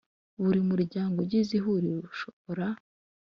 Buri muryango ugize Ihuriro ushobora